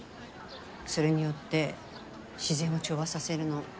それによって自然を調和させるの。